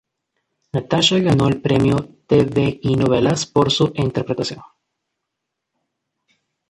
Natasha ganó el premio TvyNovelas por su interpretación.